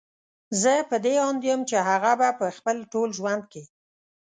زه په دې اند يم چې هغه به په خپل ټول ژوند کې